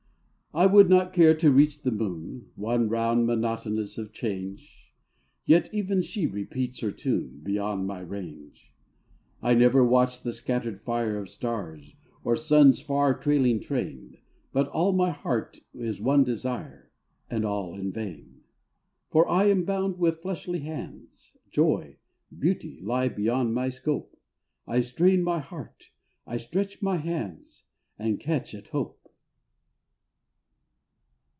I would not care to reach the moon, One round monotonous of change ; Yet even she repeats her tune Beyond my range. I never watch the scattered fire Of stars, or sun's far trailing train, But all my heart is one desire, And all in vain : For I am bound with fleshly bands, Joy, beauty, lie beyond my scope; I strain my heart, I stretch my hands, And catch at hope.